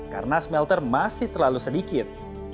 karena smelter masih terlalu sedikit